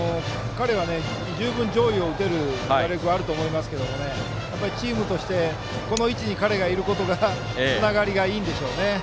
彼は十分に上位を打てる打力があると思いますがチームとしてこの位置に彼がいることがつながりがいいんでしょうね。